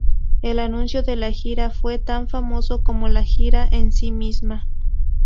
El anuncio de la gira fue tan famoso como la gira en sí misma.